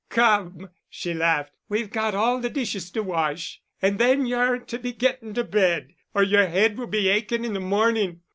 "Come," she laughed, "we've got all the dishes to wash. And then you're to be getting to bed, or your head will be aching in the morning.